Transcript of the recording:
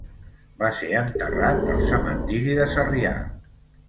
Va ser enterrat al cementiri de Sarrià.